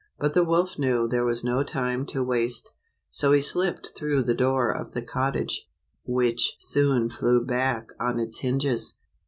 But the wolf knew there was no time to waste, so he slip ped through the door of the cottage, which soon flew back on its hinges.